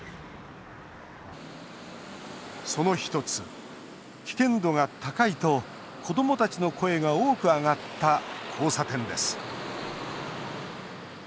その１つ、危険度が高いと子どもたちの声が多く上がった交差点です。